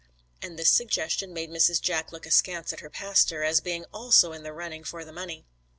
And this suggestion made Mrs. Jack look askance at her pastor, as being also in the running for the money.